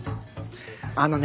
あのね。